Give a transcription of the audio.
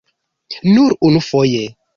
Nur unufoje.